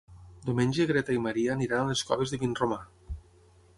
Diumenge na Greta i en Maria iran a les Coves de Vinromà.